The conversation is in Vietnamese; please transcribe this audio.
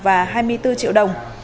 và hai mươi bốn triệu đồng